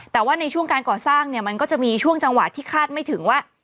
แต่ว่าในช่วงการก่อสร้างเนี่ยมันก็จะมีช่วงจังหวะที่คาดไม่ถึงว่า